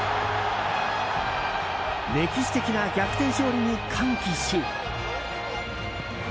歴史的な逆転勝利に歓喜し。